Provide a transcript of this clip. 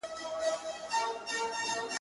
ژوند یوازې د بقا نوم نه دی.